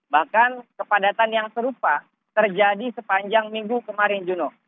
bahkan kepadatan yang serupa terjadi sepanjang minggu kemarin juno